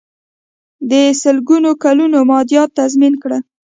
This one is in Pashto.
د سلګونو کلونو مادیات تضمین کړل.